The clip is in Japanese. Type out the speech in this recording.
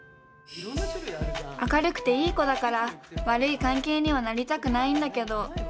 明るくていい子だから悪い関係にはなりたくないんだけど。